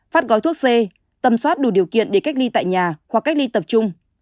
phát gói thuốc c tâm soát đủ điều kiện để cách ly tại nhà hoặc cách ly tập trung